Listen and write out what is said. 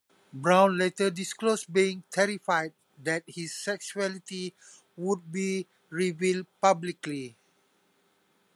Browne later disclosed being "terrified" that his sexuality would be revealed publicly.